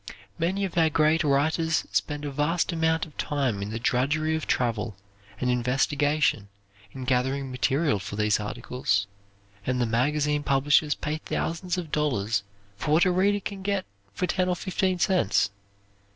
Many of our greatest writers spend a vast amount of time in the drudgery of travel and investigation in gathering material for these articles, and the magazine publishers pay thousands of dollars for what a reader can get for ten or fifteen cents.